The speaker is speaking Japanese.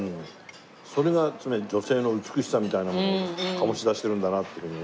それが女性の美しさみたいなものを醸し出してるんだなっていう風に思った。